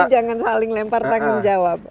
jadi jangan saling lempar tangan jawab